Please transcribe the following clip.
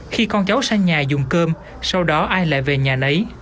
khi con cháu sang nhà dùng cơm sau đó ai lại về nhà lấy